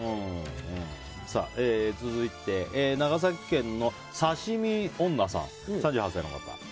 続いて、長崎県、３８歳の方。